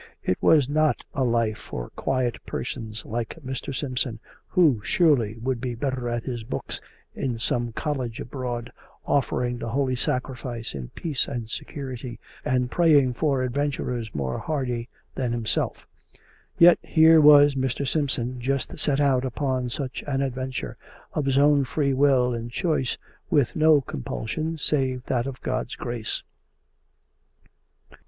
It was not a life for quiet persons like Mr. Simpson, who, surely, would be better at his booksr in some college abroad, offer ing the Holy Sacrifice in peace and security, and praying for adventurers more hardy than himself. Yet here was Mr. Simpson just set out upon such an adventure, of his own free will and choice, with no compulsion save that of God's grace.